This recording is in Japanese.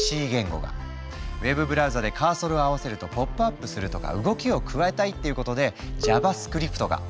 ウェブブラウザでカーソルを合わせるとポップアップするとか動きを加えたいっていうことで「ＪａｖａＳｃｒｉｐｔ」が。